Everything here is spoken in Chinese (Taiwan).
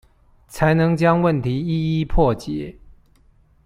才能將問題一一破解